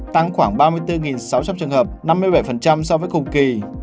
tăng khoảng ba mươi bốn sáu trăm linh trường hợp năm mươi bảy so với cùng kỳ